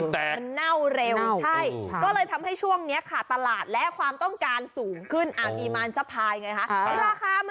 แต่มันเน่าเร็วใช่ก็เลยทำให้ช่วงนี้ขาดตลาดและความต้องการสูงขึ้นมีมารสะพายไงคะ